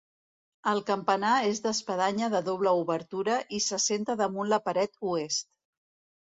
El campanar és d'espadanya de doble obertura i s'assenta damunt la paret oest.